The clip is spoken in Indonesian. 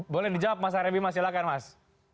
boleh dijawab mas aryabima silahkan mas